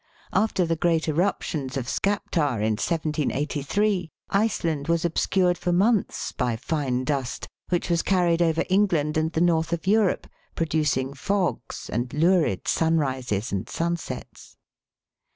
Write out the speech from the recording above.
After the great eruptions of Skaptar, in 1783, Iceland was obscured for months by fine dust, which was carried over England and the north of Europe, producing fogs, and lurid sunrises and sunsets.